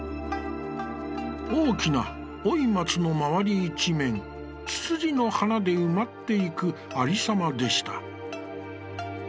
「大きな老松のまわり一面、躑躅の花で埋まっていくありさまでした。